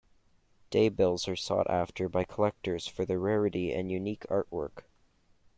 Daybills are sought-after by collectors for their rarity and unique artwork.